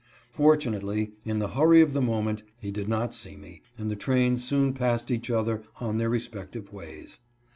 Fortunately, in the hurry of the moment, he did not see me, and the trains soon passed each other on their respective ways.